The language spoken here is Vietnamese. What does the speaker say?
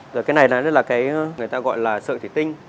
rồi cái này là cái người ta gọi là sợi thủy tinh